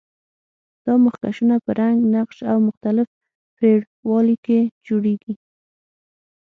دا مخکشونه په رنګ، نقش او مختلف پرېړوالي کې جوړیږي.